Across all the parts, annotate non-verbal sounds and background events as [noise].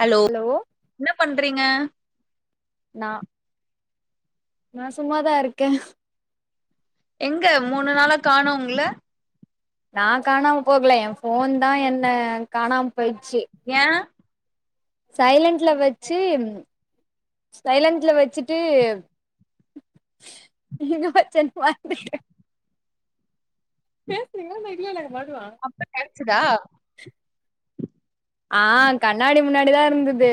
hello என்ன பண்றீங்க நா நா சும்மாதா இருக்கே எங்க மூணு நாளா காணோ உங்கள நா காணாம போகல என் ஃபோன் தா என்ன காணாம போயிச்சு ஏ சைலன்ட்ல வச்சு சைலன்ட்ல வச்சுட்டு எங்க வச்சேன் மறந்துட்டே பேசறீங்கலா இல்ல [unintelligible] இப்ப கெடச்சிதா ஆ கண்ணாடி முன்னாடி தா இருந்தது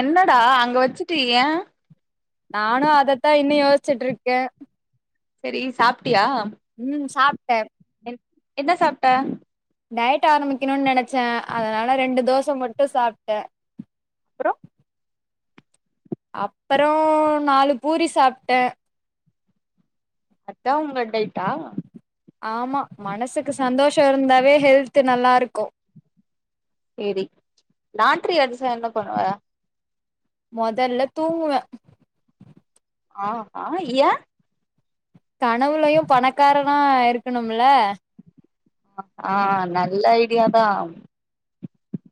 என்னடா அங்க வச்சுட்டு ஏ நானு அதத்தா இன்னு யோசிச்சுட்ருக்கே சேரி சாப்ட்டியா ம் சாப்ட்டே என் என்ன சாப்ட்ட டயட் ஆரம்பிக்கணுனு நெனச்சே அதனால ரெண்டு தோச மட்டு சாப்ட்டே அப்புற அப்பறோ நாலு பூரி சாப்ட்டே அதா உங்க டைட்டா ஆமா மனசுக்கு சந்தோஷ இருந்தாவே ஹெல்து நல்லா இருக்கு சேரி லாட்ரி அடிச்சா என்ன பண்ணுவ மொதல்ல தூங்குவே ஆ ஹா ஏ கனவுலயு பணக்காரனா இருக்கணும்ல ஆ நல்ல ஐடியா தா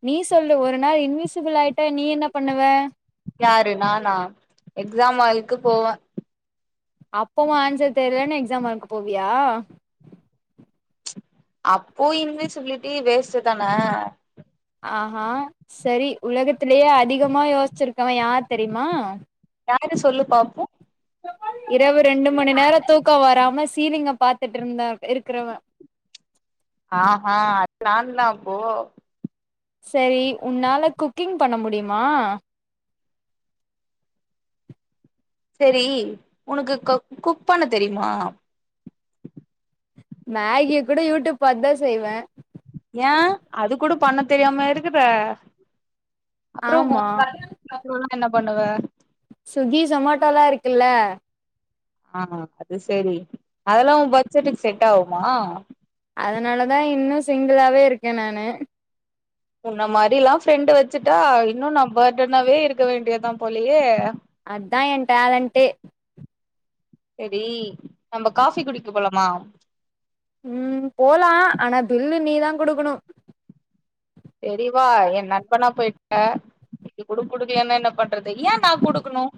நீ சொல்லு ஒரு நாள் இன்விசிபிள் ஆயிட்டா நீ என்ன பண்ணுவ யாரு நானா எக்ஸாம் ஆளுக்கு போவ அப்பவும் ஆன்சர் தெரியலன்னு எக்ஸாம் ஹாளுக்கு போவியா அப்போ இன்விசிப்பீல்டி வேஸ்ட் தான ஆஹா சரி உலகத்திலேயே அதிகமா யோசிச்சிருக்கவ யார் தெரியுமா யாரு சொல்லு பாப்போ இரவு ரெண்டு மணி நேர தூக்கம் வராம சீலிங்க பாத்துட்டு இருந்தா இருக்குறவ ஆ அது நா தா அப்போ சரி உன்னால குக்கிங் பண்ண முடியுமா சரி உனக்கு குக் குக் பண்ண தெரியுமா மகிய கூட யூடியூப் பார்த்து தா செய்வ ஏய அது கூட பண்ண தெரியாம இருக்குற அப்பற உ ஆமா பக்கத்துல என்ன பண்ணுவ ஸ்விக்கி சொமேட்டோலா இருக்குல்ல ஆ அது சரி அதெல்லா உ பட்ஜெட்டுக்கு செட் ஆகுமா அதனால தா இன்னு சிங்குளாவே இருக்க நான்னு உ ன்ன மாரி எல்லா ஃப்ரெண்ட் வச்சுட்டா இன்னு நா பர்த்டனாவே இருக்க வேண்டியதா போலயே அதா ஏய டலண்டே சரி நம்ம காஃபி குடிக்க போலாமா ம் போலா ஆனா பிள்ளு நீ தா கொடுக்கணு சரிவா எய நண்பனா போயிட்டு ஹ இது குடுக்கலன்னா என்ன பண்றது எய நா குடுக்கணும்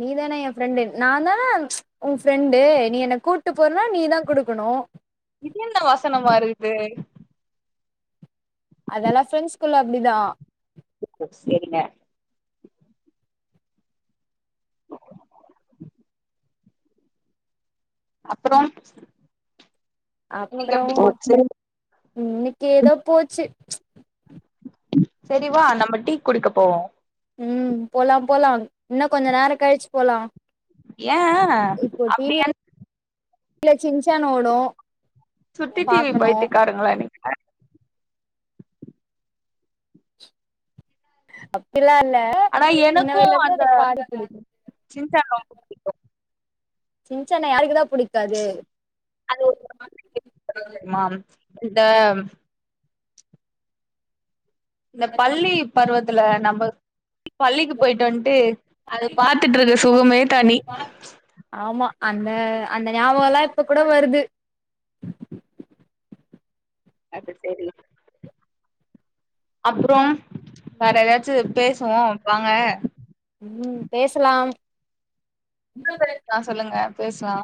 நீ தான எய ஃப்ரெண்டு நா தான உ ஃப்ரெண்டு நீ என்ன கூப்புட்டு போறனா நீ தா குடுக்கணு இது என்ன வாசனமா வருது அதல்லா ஃப்ரெண்ட்ஸ்குள்ள அப்டிதா சரிங்க அப்பற அப்பற இன்னிக்கு ஏதோ போச்சு சரிவா நம்ம டீ குடிக்க போவோ ம் போலா போலா இன்னு கொஞ்ச நேர கழிச்சு போலா ஏய இப்போ டிவில சின்ச்சான் ஓடு சுட்டி டிவி பாக்கணு பைத்தியக்காரங்கலா நீங்க அப்டிலா இல்ல ஆனா சின்ன எனக்கு வயிசுல இருந்து அந்த அத பாட பிடிக்கு சின்சான் ரொம்ப புடிக்கும் சின்சன்ன யாருக்குதா பிடிக்காது அது [unintelligible] இந்த இந்த பள்ளி பருவத்துல நம்ப பள்ளிக்கு போயிட்டு வந்துன்ட்டு அது பாத்துட்டு இருக்க சுகமே தனி ஆமா அந்த அந்த ஞாபக எல்லா இப்ப கூட வருது அது சரி அப்பற வேற ஏதாச்சு பேசுவோ வாங்க ம் பேசலாம் ஆ சொல்லுங்க பேசலா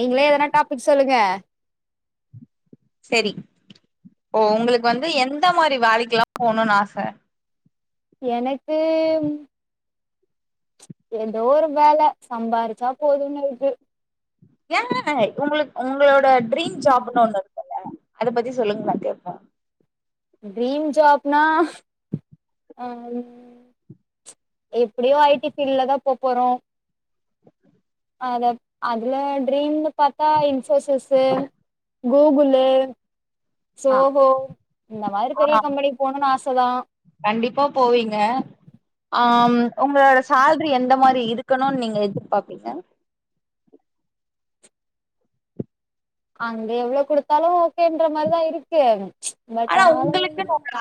நீங்களே எதனா டாபிக் சொல்லுங்க சரி ஓ உங்களுக்கு வந்து எந்த மாரி வேலைக்குல்லா போணுன்னு ஆச எனக்கு ஏதோ ஒரு வேல சம்பாரிச்சா போதுன்னு இருக்கு ஏ உங்களுக் உங்களோட ட்ரீம் ஜாப்ன்னு ஒண்ணு இருக்குல்ல அத பத்தி சொல்லுங்கள கேப்போ ட்ரீம் ஜாப்னா ஆ எப்புடியு ஐ டி ஃபீல்ட்ல தா போ போறோ அத அதுல ட்ரீம்னு பாத்தா இன்ஃபோசிஸ்ஸு கூகுள்ளு ஆ சோஹோ இந்த மாரி ஆ பெரிய கம்பெனிக்கு போணுன்னு ஆச தா கண்டிப்பா போவீங்க ஆ ம் உங்களோட சேல்ரி எந்த மாரி இருக்கணுன்னு நீங்க எதிர்பார்ப்பீங்க அங்க எவ்ளோ குடுத்தாலு ஓகேன்ற மாரிதா இருக்கு பட் அனாலு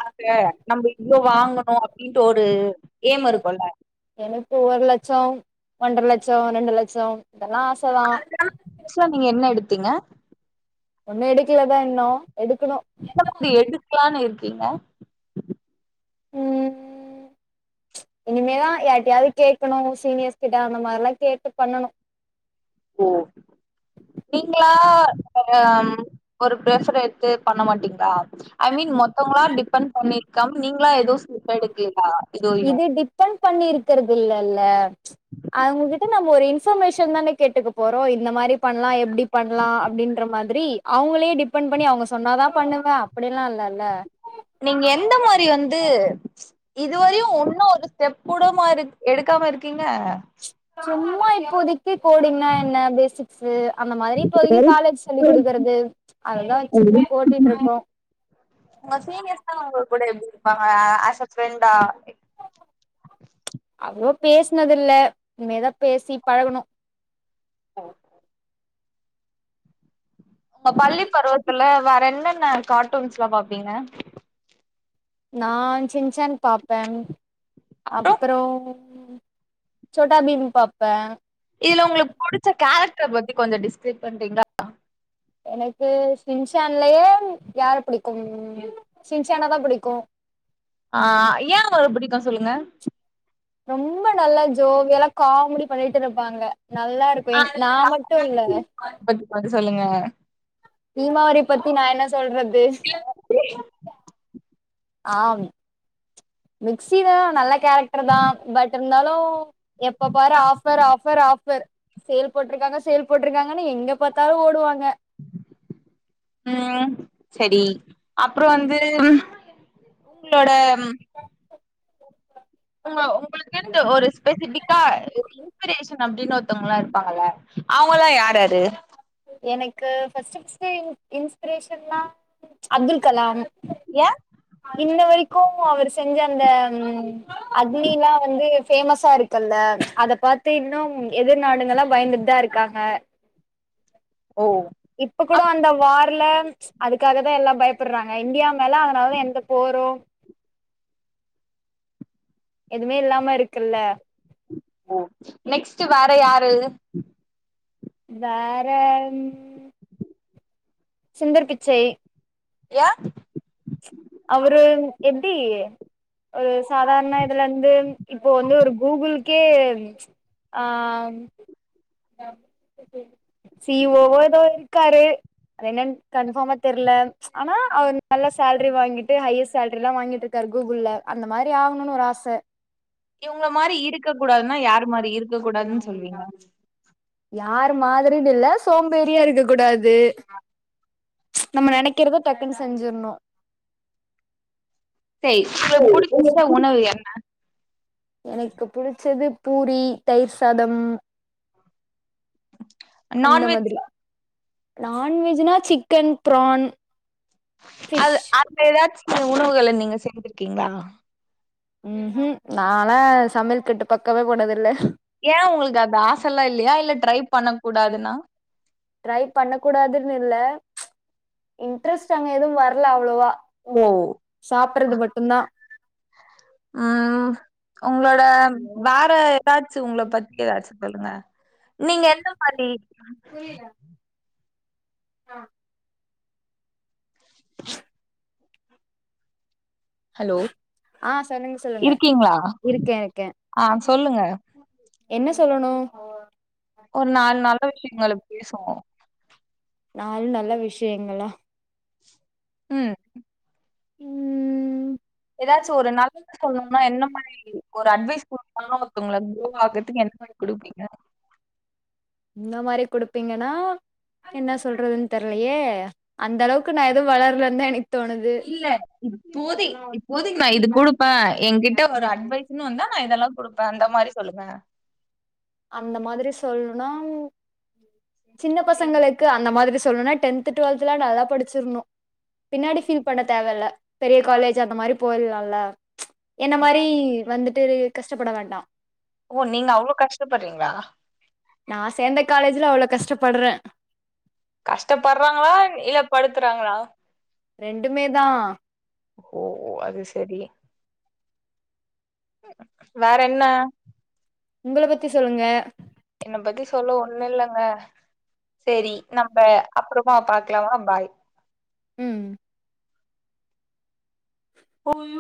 அது நம்ப இவ்ளோ வாங்கணு அப்டின்ற ஒரு ஏய்ம் இருக்குல்ல எனக்கு ஒரு லட்சோ ஒன்ற லட்சோ ரெண்டு லட்சோ இதெல்லா ஆச தா ஒன் நீங்க என்ன எடுத்தீங்க ஒண்ணு எடுக்கலதா இன்னு எடுக்குணு எந்த மாரி எடுக்லானு இருக்கீங்க [unintelligible] ம் [inaudible] இனிமேதா யார்டையாது கேட்கணு சீனியர்ஸ் கிட்ட அந்த மாரில்லா கேட்டு பண்ணணு ஓ நீங்களா [unintelligible] ம் ஒரு பிரஃபர் எடுத்து பண்ண மாட்டீங்ளா ஐ மீன் மொத்தவங்களா டிபண்ட் பண்ணி கம் நீங்களா ஏதோ செப் எடுக்கு இது டிபெண்ட் பண்ணி இருக்கிறது இல்லல்ல அவுங்ககிட்ட நம்ம ஒரு இன்ஃபர்மேஷன் தான கேட்டுக்க போறோ இந்த மாரி பண்லா எப்டி பண்லா அப்படின்ற மாரி அவுங்களே டிபெண்ட் பண்ணி அவுங்க சொன்னாதா பண்ணுவ அப்படில்லா இல்லல்ல நீங்க எந்த மாரி வந்து இதுவரையு ஒன்னு ஒரு ஸ்டெப் கூடமா இரு எடுக்காம இருக்கீங்க சும்மா இப்போதிக்கு கோடிங்கன்னா என்ன பேசிக் ஸ்ஸு அந்த மாரி இப்போதைக்கு காலேஜ் சொல்லி கொடுக்குறது அதெல்லா ஒரு வச்சிட்டு இப்போ ஓட்டிட்டு இருப்போ உங்க சீனியர்ஸ்லா அது டுடே எப்டி இரு ஆ அச ஃப்ரெண்டா அவ்ளோவ பேசினது இல்ல இனிமேதா பேசி பழகணு அ உங்க பள்ளி பருவத்துல வேற என்னென்ன கார்ட்டூன்ஸ்ல்லா பாப்பீங்க நா சின்ச்சான் பாப்ப அப்றோ அப்புறோ சோட்டா பீம் பாப்பா இதுல உங்களுக்கு புடிச்ச கேரக்டர் பத்தி கொஞ்சோ டிஸ்கிரைப் பண்றீங்களா எனக்கு சின்சான்லயே யார புடிக்கு சின்சானா தா புடிக்கு ஆ ஏ அவர புடிக்கு சொல்லுங்க ரொம்ப நல்லா ஜோவியலா காமடி பண்ணிட்டு இருப்பால்ல நல்லா இருக்கு எ நா மட்டு இல்ல வந்து சொல்லுங்க பீமாவரி பத்தி நா என்ன சொல்றது [inaudible] ஆ ம் மிக்சி தா நல்ல கேரக்ட்ருதா பட் இருந்தாலு எப்ப பாரு ஆஃபர் ஆஃபர் ஆஃபர் சேல் போட்ருக்காங்க சேல் போட்ருக்காங்கன்னு எங்க பாத்தாலு ஓடுவாங்க ம் செரி அப்றோ வந்து உங்களோட ம் [inaudible] உங்க உங்களுக்கின்டு ஒரு ஸ்பெசிஃபிக்கா இன்ஸ்பிரேஷன் அப்டினு ஒருத்தொங்லா இருப்பாங்களே அவுங்கல்லா யார்யாரு எனக்கு ஃபஸ்ட்டு ஃபஸ்ட்டு இன் இன்ஸ்பிரேஷன்னா அப்துல் கலாம் ஏ இன்ன வெரிக்கு அவரு செஞ்ச அந்த ம் அஃக்னில்லா வந்து ஃபேமஸா இருக்குல்ல அத பாத்து இன்னும் எதிர் நாடுங்கல்லா பயந்துந் தாங்க ஓ இப்ப கூட அப் அந்த வார்ல அதுக்காகதா எல்லா பயப்புற்றாங்க இந்தியா மேல அதனாலதா எந்த போரோ எதுமே இல்லாம இருக்குல்ல நெக்ஸ்ட்டே வேற யாரு வேற ம் சுந்தர் பிச்சை ஏ அவரு எப்டி ஒரு சாதார்ண இதுல இந்து இப்போ வந்து ஒரு கூகுள்கே ஆ ம் சிஇஓஓ எதோ இருக்காரு அது என்னன் கன்ஃபாமா தெர்ல ஆனா அவ்ர் நல்ல சேல்ரி வாங்கிட்டு ஹையர் சேல்ரில்லா வாங்கிட்ருக்காரு கூகுள்ள அந்த மாரி ஆவ்ணுனு ஒரு ஆச இவுங்ள மாரி இருக்க கூடாதுன்னா யாரு மாரி இருக்க கூடாதுன் சொல்லுவீங்க யாரு மாதரினில்ல சோம்பேறியா இருக்க கூடாது நம்ம நெனைக்க றத டக்குன் செஞ்சிற்ணு சே உங்களுக்கு புடிச்ச உணவு என்ன எனக்கு புடிச்சது பூரி தயிர் சாதம் அந்த நான்வெஜ் மாத்ரி நான்வெஜ்ஜினா சிக்கன் ப்ரான் ஃபிஷ் எதாச்சு உணவுகள நீங்க செஞ்சிர்க்கீங்ளா ம் உம் நாலா சமைல் கட்டு பக்கமே போனதில்ல ஏ உங்கள்க்கு அந்த ஆசல்லா இல்லியா இல்ல ட்ரை பண்ண கூடாதுன்னா ட்ரை பண்ண கூடாதுன் இல்ல இன்ட்ரெஸ்ட் அங்க எதுவு வர்ல அவ்ளொவா ஓ சாப்ட்றது மட்டுந்தா அ உங்களோட வேற எதாச்சு உங்ள பத்தி எதாச்சு சொல்லுங்க நீங்க என்ன மாரி அ ஹலோ அ சொல்லுங் சொல்லுங்க இருக்கீங்களா இருக்கே இருக்கே ஆ சொல்லுங்க என்ன சொல்லணு ஒரு நால் நல்ல விஷயங்கள பேசுவோ நால் நல்ல விஷயங்களா ம் ம் எதாச்சு ஒரு நல்லது சொல்னுனா என்ன மாரி ஒரு அட்வைஸ் குடுத்தம்னா ஒருத்தங்கள குரோவ் ஆகற்துக் என்ன குடுப்பீங்க இந்த மாரி குடுப்பீங்கன்னா என்ன சொல்றதுன் தெர்லயே அந்தளவுக்கு நா எது வளர்லந்தா எனக் தோணுது இப்போதி இப்போதிக் நா இது குடுப்பே எங்கிட்ட ஒரு அட்வைஸ்ன்னு வந்தா நா இதெல்லா குடுப்பே அந்த மாரி சொல்லுங்க அந்த மாதிரி சொல்லுன்னா சின்ன பசங்களுக் கு அந்த மாதிரி சொல்னுனா டென்த்து, டுவெல்த்துல்லா நல்லா படிச்சிர்ணு பின்னாடி ஃபீல் பண்ண தேவ இல்ல பெரிய காலேஜ் அந்த மாரி போயிர்லால்ல என்ன மாரி வந்துட்டு கஷ்டப்பட வேண்டா ஓ நீங்க அவ்ளோ கஷ்டப்பட்றீங்ளா நா சேந்த காலேஜ்ல அவ்ளோ கஷ்டப்பட்றே கஷ்டப்பட்றாங்களா இல்ல படுத்துறாங்களா ரெண்டுமே தா ஓ அது செரி வேற என்ன உங்கள பத்தி சொ என்ன பத்தி சொல்ல ஒன்னுல்லங்க செரி நம்ப அப்பறமா பாக்லாமா பாய் ம் ஐயோ